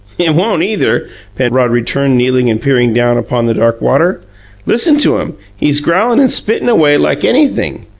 "It won't, either," Penrod returned, kneeling and peering down upon the dark water. "Listen to him! He's growlin' and spittin' away like anything!